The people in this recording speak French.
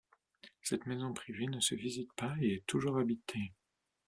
Cette maison privée ne se visite pas et est toujours habitée.